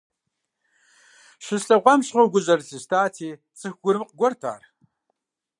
Щыслъэгъуам щыгъуэ гу зэрылъыстати, цӀыху гурымыкъ гуэрт ар.